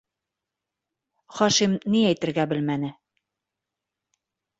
- Хашим ни әйтергә белмәне.